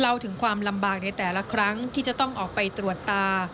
เล่าถึงความลำบากในแต่ละครั้งที่จะต้องออกไปตรวจตา